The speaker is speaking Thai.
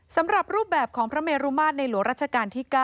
สำหรับรูปแบบของพระเมรุมาตรในหลวงรัชกาลที่๙